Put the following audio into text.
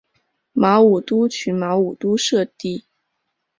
马武督群马武督社地。